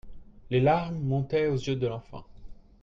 Les larmes montaient aux yeux de l'enfant.